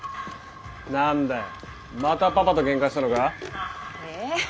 何だよまたパパとけんかしたのか？